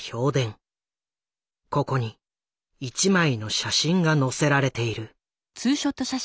ここに１枚の写真が載せられている。